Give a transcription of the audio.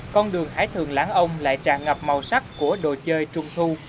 con đường hải thường lãng ông lại tràn ngập màu sắc của đồ chơi trung thu